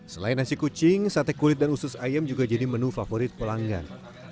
selain nasi kucing sate kulit dan usus ayam juga jadi menu favorit pelanggan